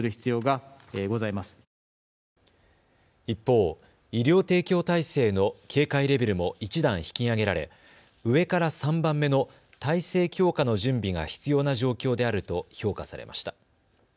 一方、医療提供体制の警戒レベルも１段引き上げられ上から３番目の体制強化の準備が必要な状況であると評価されました。